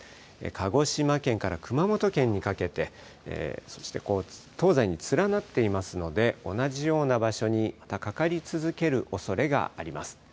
鹿児島県から熊本県にかけて、そして東西に連なっていますので、同じような場所にかかり続けるおそれがあります。